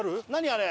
あれ？